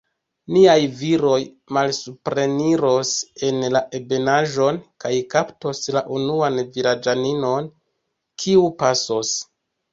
Niaj viroj malsupreniros en la ebenaĵon, kaj kaptos la unuan vilaĝaninon, kiu pasos.